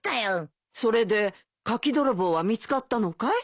それで柿泥棒は見つかったのかい？